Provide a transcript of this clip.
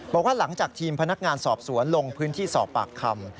บอกว่าหลังจากทีมพนักงานสอบสวนลงพื้นที่สอบปากคำ